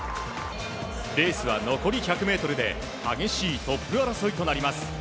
レースは残り１００ｍで激しいトップ争いとなります。